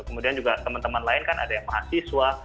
kemudian juga teman teman lain kan ada yang mahasiswa